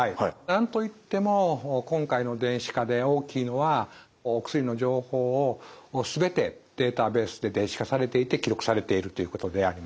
何と言っても今回の電子化で大きいのはお薬の情報をすべてデータベースで電子化されていて記録されているということであります。